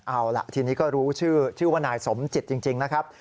เอาล่ะทีนี้ก็รู้ชื่อว่านายสมจิตจริงนะครับ